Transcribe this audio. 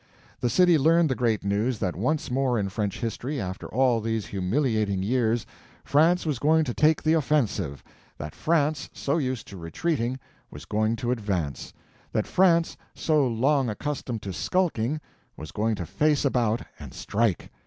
The city learned the great news that once more in French history, after all these humiliating years, France was going to take the offensive; that France, so used to retreating, was going to advance; that France, so long accustomed to skulking, was going to face about and strike.